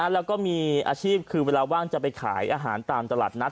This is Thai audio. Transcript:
แล้วก็มีอาชีพคือเวลาว่างจะไปขายอาหารตามตลาดนัด